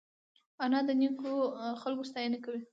انا د نیکو خلکو ستاینه کوي